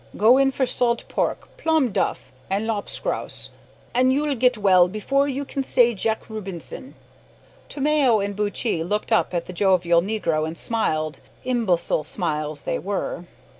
Go in for salt pork, plum duff, and lop scouse, an' you'll git well 'fore you kin say Jack Rubinson." Tomeo and Buttchee looked up at the jovial negro and smiled imbecile smiles they were.